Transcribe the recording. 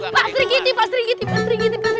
pak serigiti pak serigiti pak serigiti pak serigiti